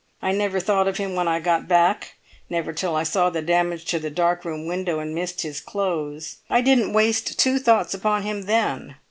I never thought of him when I got back, never till I saw the damage to the darkroom window and missed his clothes. I didn't waste two thoughts upon him then.